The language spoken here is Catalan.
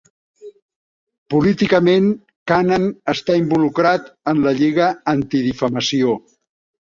Políticament, Kanan està involucrat amb la Lliga Antidifamació.